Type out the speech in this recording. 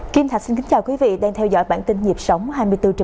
kim thạch xin kính chào quý vị đang theo dõi bản tin nhịp sóng hai mươi bốn h bảy